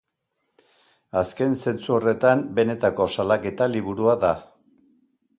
Azken zentzu horretan benetako salaketa liburua da.